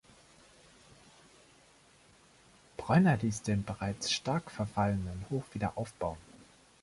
Breuner ließ den bereits stark verfallenen Hof wieder aufbauen.